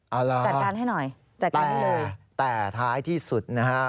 เอาละแต่แต่ท้ายที่สุดนะครับ